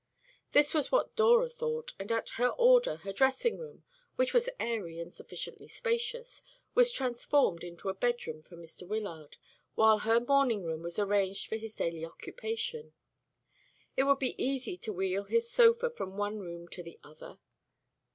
This was what Dora thought; and at her order her dressing room, which was airy and sufficiently spacious, was transformed into a bedroom for Mr. Wyllard, while her morning room was arranged for his daily occupation. It would be easy to wheel his sofa from one room to the other.